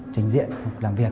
trình diện làm việc